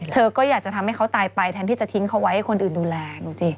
เธอก็อยากจะทำให้เขาตายไปแทนที่จะทิ้งเขาไว้ให้คนอื่นดูแลดูสิ